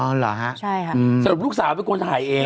อ๋อเหรอฮะสรุปลูกสาวเป็นคนถ่ายเอง